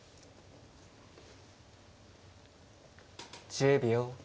１０秒。